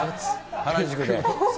原宿で。